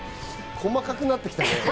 細かくなってきたね。